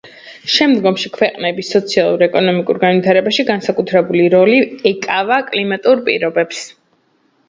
შემდგომში, ქვეყნების სოციალურ-ეკონომიკურ განვითარებაში განსაკუთრებული როლი ეკავა კლიმატურ პირობებს.